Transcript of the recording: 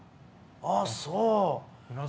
ああ、そう。